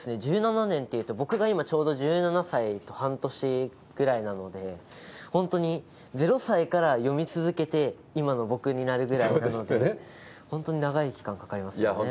１７年っていうと、僕が今ちょうど１７歳と半年ぐらいなので、本当に０歳から読み続けて今の僕になるぐらいなので、本当に長い期間かかりますよね。